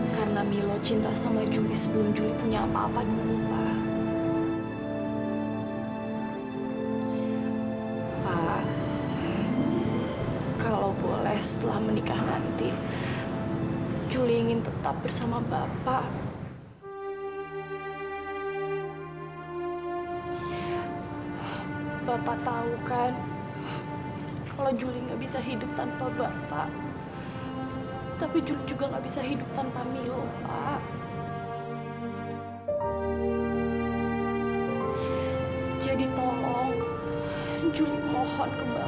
sampai jumpa di video selanjutnya